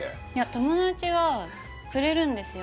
友達がくれるんですよ